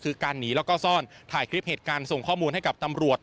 คือการหนีแล้วก็ซ่อนถ่ายคลิปเหตุการณ์ส่งข้อมูลให้กับตำรวจ